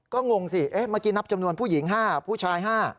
ก็งงสิเมื่อกี้นับจำนวนผู้หญิง๕ผู้ชาย๕